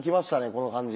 この感じ。